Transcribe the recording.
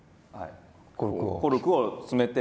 コルクを詰めて。